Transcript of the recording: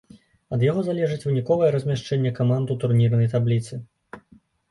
Ад яго залежыць выніковае размяшчэнне каманд у турнірнай табліцы.